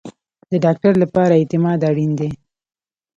د ډاکټر لپاره اعتماد اړین دی